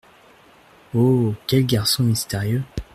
Oh ! quel garçon mystérieux !